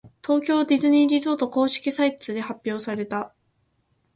東京ディズニーリゾート公式サイトで発表された。